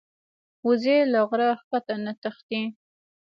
وزې له غره ښکته نه تښتي